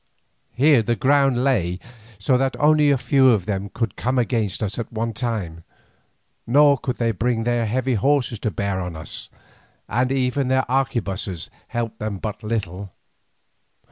Here the ground lay so that only a few of them could come against us at one time, nor could they bring their heavy pieces to bear on us, and even their arquebusses helped them but little.